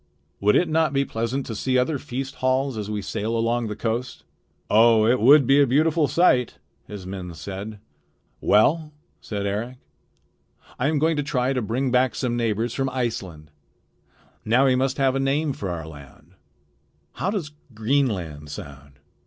"Would it not be pleasant to see other feast halls as we sail along the coast?" "Oh! it would be a beautiful sight," his men said. "Well," said Eric, "I am going to try to bring back some neighbors from Iceland. Now we must have a name for our land. How does Greenland sound?"